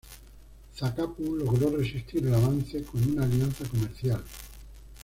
Zacapu logró resistir el avance con una alianza comercial.